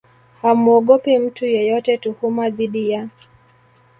hamuogopi mtu yeyote Tuhuma dhidi ya